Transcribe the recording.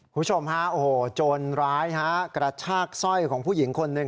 ผู้ชมฮะโอ้โหจนร้ายฮะกระชากซ่อยของผู้หญิงคนนึง